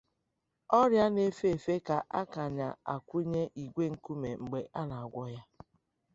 Oria na-efe efe ka nke a ka a na-akwụnye ìgwè nkuume mgbe a na-agwọ ya.